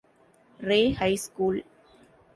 Ray High School.